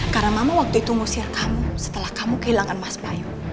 karena mama waktu itu ngusir kamu setelah kamu kehilangan mas bayu